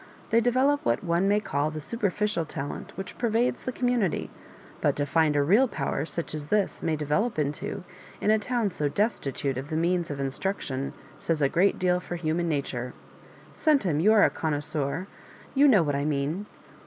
They develop what one may call the superficial talent which pervades the commu nity ; but to find a real power, such as this may develop into, in a town so destitute of the means of instruction, says a great deal for human nature. Centum, you are a conndsseur, you know what I mean.